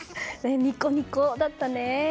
ニコニコだったね。